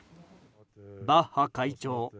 バッハ会長